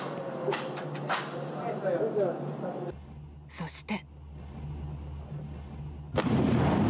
そして。